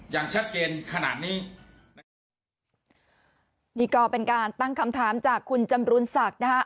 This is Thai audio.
อย่างชัดเจนขนาดนี้นะครับนี่ก็เป็นการตั้งคำถามจากคุณจำรุนศักดิ์นะฮะ